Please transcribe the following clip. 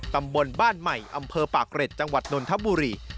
ตำบลบ้านใหม่อำเภอปากเกร็ดจังหวัดนนทบุรี